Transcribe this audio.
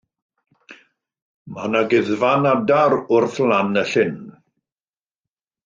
Mae 'na guddfan adar wrth lan y llyn.